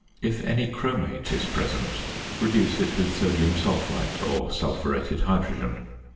If any chromate is present reduce it with sodium sulphite or sulphuretted hydrogen.